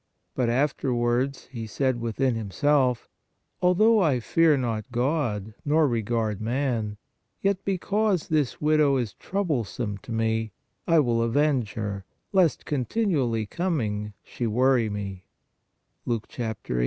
But afterwards he said within himself : Although I fear not God, nor regard man, yet because this widow is troublesome to me, I will avenge her, lest continually coming, she worry me" (Luke 18.